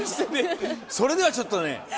それではちょっとね